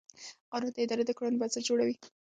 قانون د ادارې د کړنو بنسټ جوړوي.